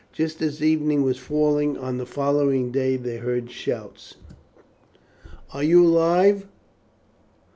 Just as evening was falling on the following day they heard shouts. "Are you alive?"